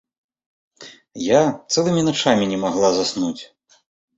Я цэлымі начамі не магла заснуць.